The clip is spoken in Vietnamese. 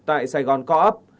tại sài gòn co op